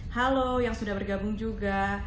halo yang sudah bergabung juga